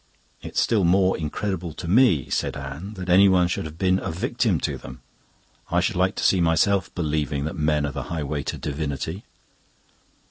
"It's still more incredible to me," said Anne, "that anyone should have been a victim to them. I should like to see myself believing that men are the highway to divinity."